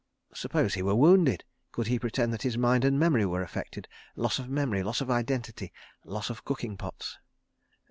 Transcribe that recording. ... Suppose he were wounded. Could he pretend that his mind and memory were affected—loss of memory, loss of identity, loss of cooking pots?